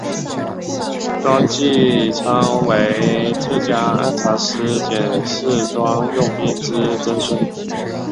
庄际昌为浙江按察司佥事庄用宾之曾孙。